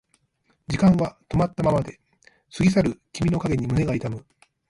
時間は止まったままで過ぎ去る君の影に胸が痛む